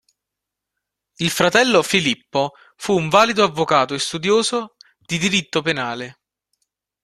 Il fratello Filippo, fu un valido avvocato e studioso di diritto penale.